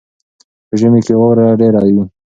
په ژمي کې واوره ډېره وي.